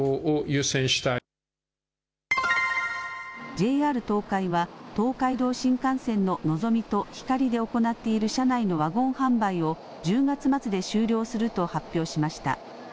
ＪＲ東海は東海道新幹線ののぞみとひかりで行っている車内のワゴン販売を１０月末で終了すると発表しました。